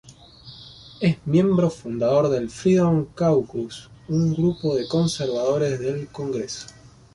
Es miembro fundador del Freedom Caucus, un grupo de conservadores del Congreso.